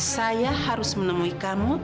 saya harus menemui kamu